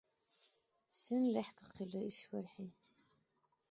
Сен лехӀкахъилри ишбархӀи?